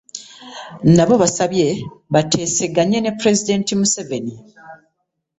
Nabo baasabye bateeseganye ne Pulezidenti Museveni